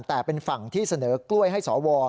แต่เป็นฝั่งที่เสนอกล้วยให้สว